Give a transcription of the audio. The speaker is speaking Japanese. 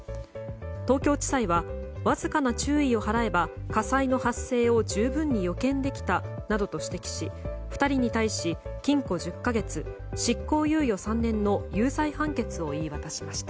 東京地裁はわずかな注意を払えば火災の発生を十分に予見できたなどと指摘し２人に対し禁錮１０か月、執行猶予３年の有罪判決を言い渡しました。